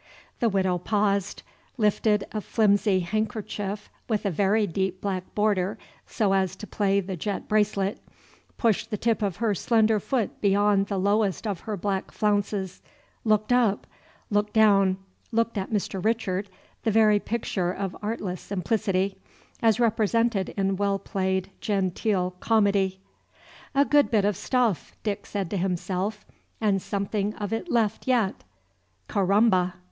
The Widow paused; lifted a flimsy handkerchief with a very deep black border so as to play the jet bracelet; pushed the tip of her slender foot beyond the lowest of her black flounces; looked up; looked down; looked at Mr. Richard, the very picture of artless simplicity, as represented in well played genteel comedy. "A good bit of stuff," Dick said to himself, "and something of it left yet; caramba!"